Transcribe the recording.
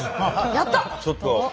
やった！